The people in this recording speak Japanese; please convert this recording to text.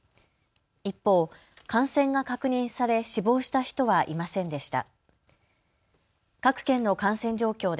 一方、感染が確認され死亡した人はいませんでした。